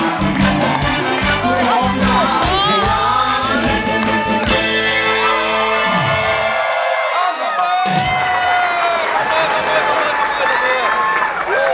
สำเร็จ